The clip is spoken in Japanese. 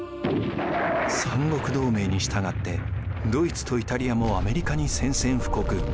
三国同盟にしたがってドイツとイタリアもアメリカに宣戦布告。